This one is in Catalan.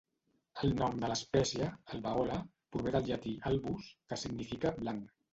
El nom de l'espècie "albeola" prové del llatí "albus", que significa "blanc".